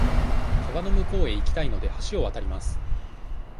川の向こうへ行きたいので、橋を渡ります。